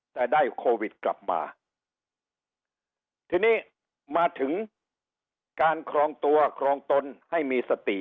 แต่ได้โควิดกลับมาทีนี้มาถึงการครองตัวครองตนให้มีสติ